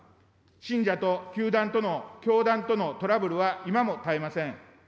信者と教団とのトラブルは今も絶えません。